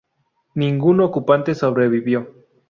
Ningún ocupante sobrevivió.